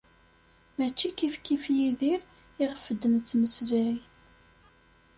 Mačči kifkif Yidir iɣef d-nettmeslay.